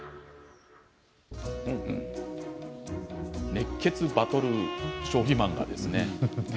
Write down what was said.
熱血バトル将棋漫画ですね。